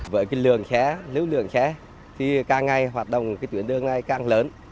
với lượng xe lượng lượng xe thì càng ngày hoạt động tuyến đường này càng lớn